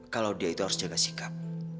kalau dia itu harus jaga sikap